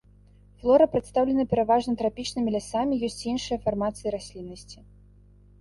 Флора прадстаўлена пераважна трапічнымі лясамі, ёсць і іншыя фармацыі расліннасці.